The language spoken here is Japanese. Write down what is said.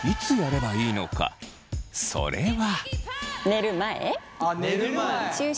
それは。